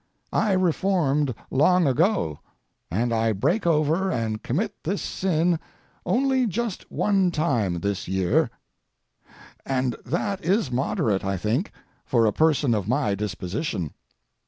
I reformed long ago, and I break over and commit this sin only just one time this year: and that is moderate, I think, for a person of my disposition.